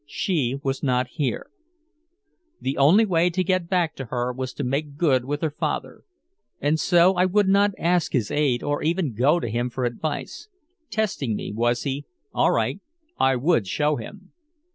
She was not here. The only way to get back to her was to make good with her father. And so I would not ask his aid or even go to him for advice. Testing me, was he? All right, I would show him.